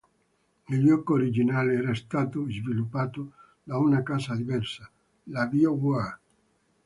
Il gioco originale era stato sviluppato da una casa diversa, la "BioWare".